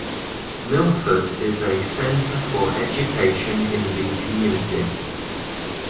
Milford is a centre for education in the community.